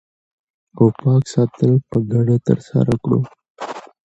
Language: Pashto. او پاک ساتل په ګډه ترسره کړو